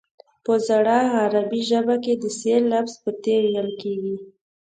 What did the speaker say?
په زړه عربي ژبه کې د ث لفظ په ت ویل کېږي